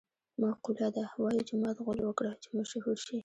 مقوله ده: وايي جومات غول وکړه چې مشهور شې.